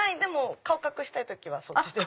顔隠したい時はそっちでも。